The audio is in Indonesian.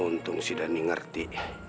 untung sidani ngerti